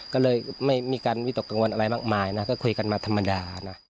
ก็เลยไม่มีการวิตกกังวลอะไรมากมายนะก็คุยกันมาธรรมดานะ